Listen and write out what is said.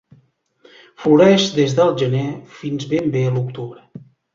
Floreix des del gener fins ben bé l'octubre.